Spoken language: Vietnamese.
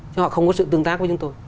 chứ họ không có sự tương tác với chúng tôi